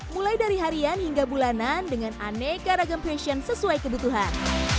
mulai dari harian hingga bulanan dengan aneka ragam fashion sesuai kebutuhan